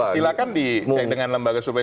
silahkan dicek dengan lembaga survei